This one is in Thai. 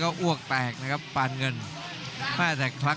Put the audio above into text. ขวางเอาไว้ครับโอ้ยเด้งเตียวคืนครับฝันด้วยศอกซ้าย